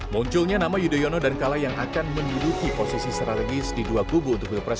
munculnya nama yudhoyono dan kalai yang akan menuduki posisi strategis di dua kubu untuk bipres dua ribu sembilan belas